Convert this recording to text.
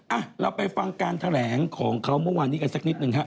อ่ะเราไปฟังการแถลงของเขาเมื่อวานนี้กันสักนิดหนึ่งฮะ